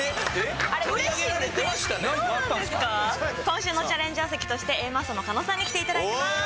今週のチャレンジャー席としてＡマッソの加納さんに来て頂いてます。